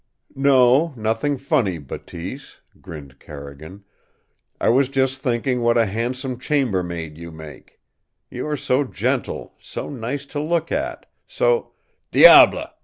"No, nothing funny, Bateese," grinned Carrigan. "I was just thinking what a handsome chambermaid you make. You are so gentle, so nice to look at, so " "DIABLE!"